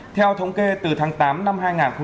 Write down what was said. theo thống kê từ tháng tám năm hai nghìn hai mươi